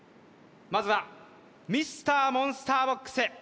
まずはＭｒ．モンスターボックス